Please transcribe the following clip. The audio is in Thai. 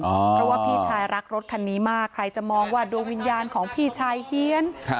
เพราะว่าพี่ชายรักรถคันนี้มากใครจะมองว่าดวงวิญญาณของพี่ชายเฮียน